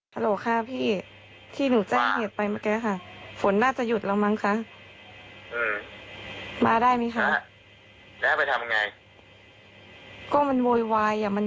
ฮัลโหลครับพี่ที่หนูแจ้งเหตุไปเมื่อกี้แหละค่ะ